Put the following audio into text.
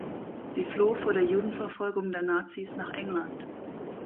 Sie floh vor der Judenverfolgung der Nazis nach England.